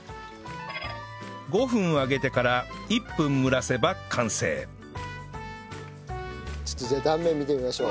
５分揚げてから１分蒸らせば完成じゃあ断面見てみましょう。